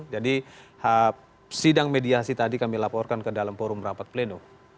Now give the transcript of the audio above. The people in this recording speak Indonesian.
jadi sidang mediasi tadi kami laporkan ke dalam forum rapat pleno